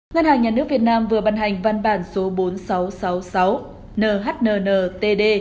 ngân hàng nhà nước việt nam vừa bàn hành văn bản số bốn nghìn sáu trăm sáu mươi sáu nhnntd